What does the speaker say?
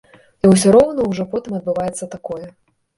І ўсё роўна ўжо потым адбываецца такое.